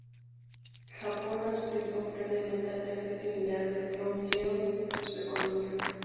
Japón ha sufrido previamente, ataques similares que hundieron su economía.